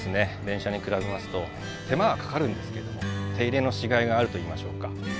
電車に比べますと手間はかかるんですけれども手入れのしがいがあると言いましょうか。